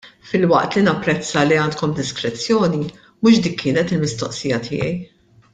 Filwaqt li napprezza li għandkom diskrezzjoni, mhux dik kienet il-mistoqsija tiegħi.